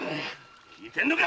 〔聞いてんのか！